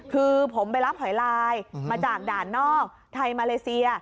คือผมไปรับหอยลายมาจากด่านนอกไทยมาเลเซีย